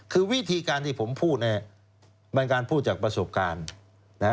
คือวิธีการที่ผมพูดมันการพูดจากประสบการณ์